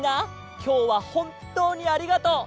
きょうはほんとうにありがとう！